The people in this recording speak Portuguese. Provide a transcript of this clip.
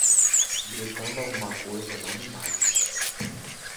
Gritando alguma coisa, não me mate